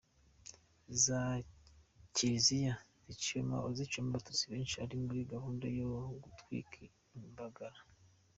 Za Kiliziya ziciwemo Abatutsi benshi ari muri gahunda yo “gutwika imbagara”.